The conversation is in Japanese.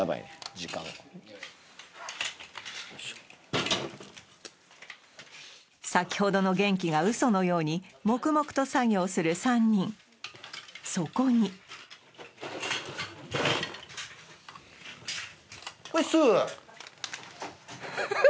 時間先ほどの元気が嘘のように黙々と作業をする３人そこにハハハハ！